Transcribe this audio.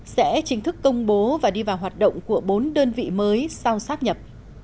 sẽ chính thức công bố và đi vào hoạt động của bốn đơn vị mới sau sắp nhập